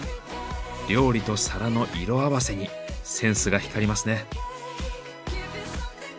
料理と皿の色合わせにセンスが光りますね。